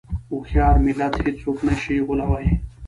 هوښیار ملت هېڅوک نه شي غولوی.